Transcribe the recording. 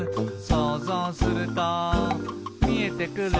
「そうぞうするとみえてくる」